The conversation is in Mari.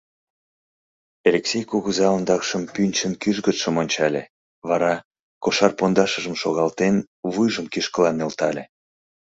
Элексей кугыза ондакшым пӱнчын кӱжгытшым ончале, вара, кошар пондашыжым шогалтен, вуйжым кӱшкыла нӧлтале.